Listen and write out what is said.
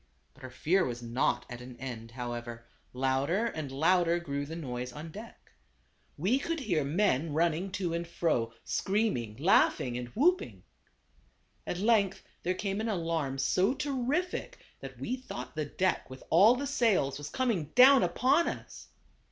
But our fear was not at an end, however ; louder and louder grew the noise on deck. We could hear men running to and fro, screaming, laugh ing, and whooping. At length there came an alarm so terrific that we thought the deck with all the sails was coming down upon us.